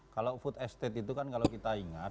kalau food estate itu kan kalau kita ingat